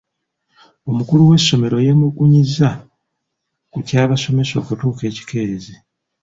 Omukulu w'essomero yeemulugunyizza ku ky'abasomesa okutuuka ekikeerezi.